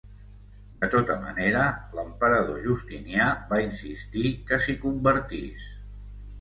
De tota manera, l'emperador Justinià va insistir que s'hi convertís.